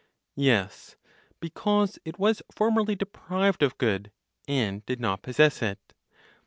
Yes, because it was formerly deprived of good, and did not possess it.